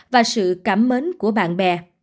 và sự cảm mến của bạn bè